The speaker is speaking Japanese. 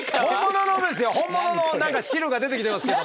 本物の何か汁が出てきてますけど。